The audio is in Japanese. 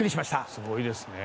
すごいですね。